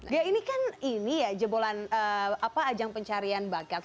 ghea ini kan ini ya jebolan ajang pencarian bakat